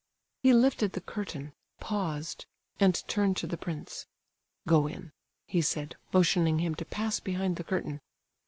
He lifted the curtain, paused—and turned to the prince. "Go in," he said, motioning him to pass behind the curtain.